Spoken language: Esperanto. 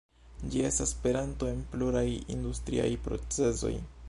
Ĝi estas peranto en pluraj industriaj procezoj.